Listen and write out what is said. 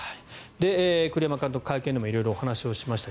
栗山監督、会見でも色々お話ししました。